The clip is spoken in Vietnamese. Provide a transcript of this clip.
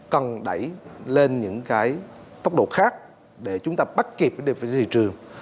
cần đẩy lên những cái tốc độ khác để chúng ta bắt kịp cái đề phương thị trường